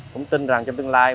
cũng tin rằng trong tương lai